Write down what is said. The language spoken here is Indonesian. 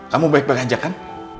kamu baik baik aja kan